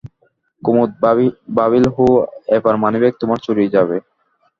কুমুদ ভাবিল, হু, এবার মানিব্যাগ তোমার চুরি যাবে!